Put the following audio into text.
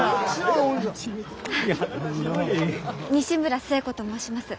西村寿恵子と申します。